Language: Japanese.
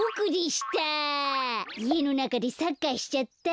いえのなかでサッカーしちゃった。